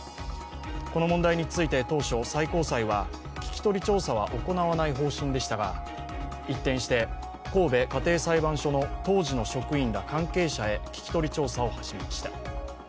この問題について当初最高裁は聞き取り調査は行わない方針でしたが一転して、神戸家庭裁判所の当時の職員ら関係者へ聞き取り調査を始めました。